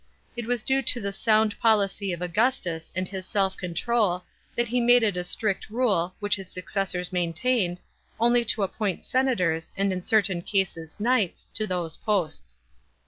It was due to the sound policy of Augustus and his self control that he made it a strict rule, which his successors main tained, only to appoint senators, and in certain cases knights, to those posts.